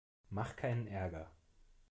Mach keinen Ärger!